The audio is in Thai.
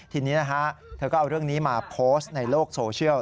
ทีนี้นะฮะเธอก็เอาเรื่องนี้มาโพสต์ในโลกโซเชียล